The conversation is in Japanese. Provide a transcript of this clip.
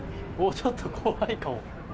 ちょっと怖いかも。